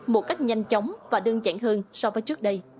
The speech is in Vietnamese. một cách nhanh chóng và đơn giản hơn so với trước đây